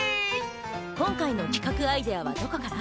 今回の企画アイデアはどこから？